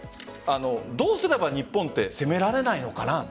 どうすれば日本って攻められないのかな。